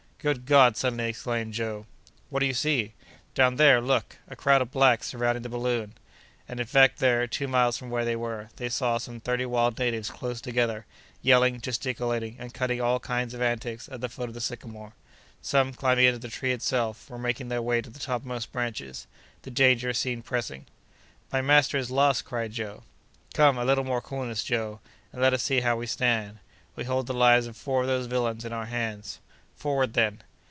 "Good God!" suddenly exclaimed Joe. "What do you see?" "Down there! look! a crowd of blacks surrounding the balloon!" And, in fact, there, two miles from where they were, they saw some thirty wild natives close together, yelling, gesticulating, and cutting all kinds of antics at the foot of the sycamore. Some, climbing into the tree itself, were making their way to the topmost branches. The danger seemed pressing. "My master is lost!" cried Joe. "Come! a little more coolness, Joe, and let us see how we stand. We hold the lives of four of those villains in our hands. Forward, then!"